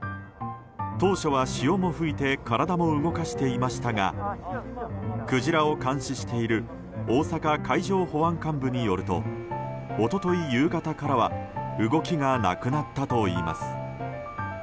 当初は、潮も吹いて体も動かしていましたがクジラを監視している大阪海上保安監部によると一昨日夕方からは動きがなくなったといいます。